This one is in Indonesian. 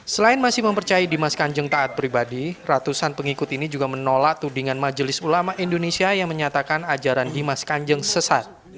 selain masih mempercayai dimas kanjeng taat pribadi ratusan pengikut ini juga menolak tudingan majelis ulama indonesia yang menyatakan ajaran dimas kanjeng sesat